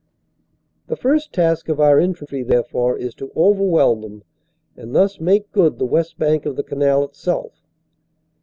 The first task of our infantry, therefore, is to overwhelm them and thus make good the west bank of the canal itself.